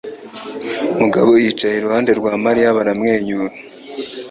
Mugabo yicaye iruhande rwa Mariya baramwenyura.